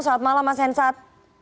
selamat malam mas hensat